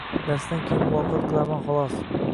Darsdan keyin muloqat qilaman holos.